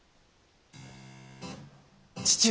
父上。